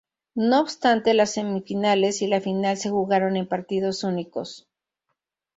No obstante, las semifinales y la final se jugaron en partidos únicos.